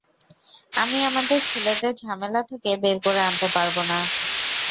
আমি আমাদের ছেলেদের ঝামেলা থেকে বের করে আনতে পারবো না।